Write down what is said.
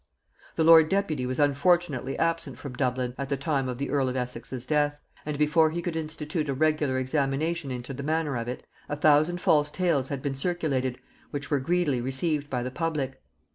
The lord deputy was unfortunately absent from Dublin at the time of the earl of Essex's death, and before he could institute a regular examination into the manner of it, a thousand false tales had been circulated which were greedily received by the public.